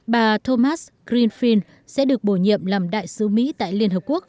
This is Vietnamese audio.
bà thomas greenfield sẽ được bổ nhiệm làm đại sứ mỹ tại liên hợp quốc